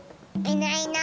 いない。